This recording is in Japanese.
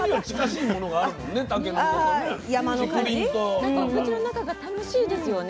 なんかお口の中が楽しいですよね。